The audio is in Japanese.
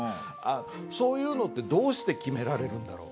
そういうのってどうして決められるんだろう。